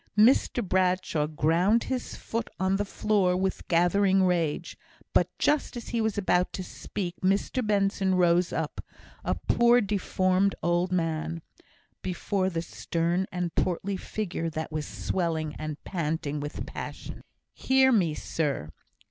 Mr Bradshaw ground his foot on the floor with gathering rage; but just as he was about to speak, Mr Benson rose up a poor deformed old man before the stern and portly figure that was swelling and panting with passion. "Hear me, sir!"